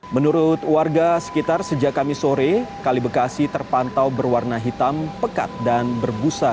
menurut warga sekitar sejak kami sore kali bekasi terpantau berwarna hitam pekat dan berbusa